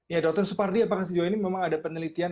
ya dr supardi apakah sejauh ini memang ada penelitian